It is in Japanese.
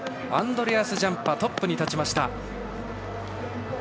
アンドレアス・ジャンパトップに立ちました。